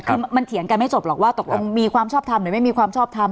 คือมันเถียงกันไม่จบหรอกว่าตกลงมีความชอบทำหรือไม่มีความชอบทำ